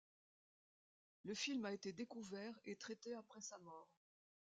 Le film a été découvert et traité après sa mort.